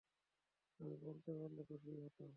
আমি বলতে পারলে খুশিই হতাম।